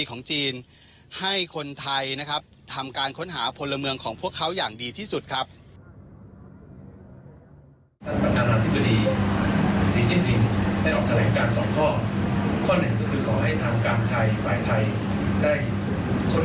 ข้อสองนั้นเนี่ยดำเนินการกันอยู่แล้วขอขอบคุณ